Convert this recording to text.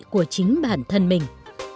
của chính bản thân mình